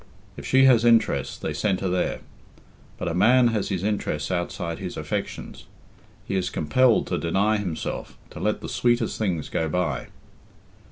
If she has interests, they centre there. But a man has his interests outside his affections. He is compelled to deny himself, to let the sweetest things go by."